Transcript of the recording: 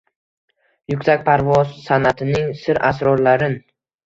yuksak parvoz san’atining sir-asrorlarin